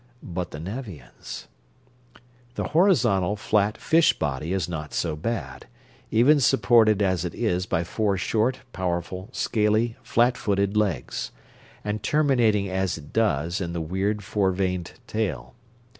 But the Nevians The horizontal, flat, fish body is not so bad, even supported as it is by four, short, powerful, scaly, flat footed legs; and terminating as it does in the weird, four vaned tail.